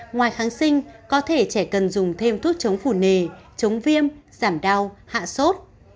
ngoài kháng sinh có thể trẻ cần dùng thêm thuốc chống phủ nề chống viêm giảm đau hạ sốt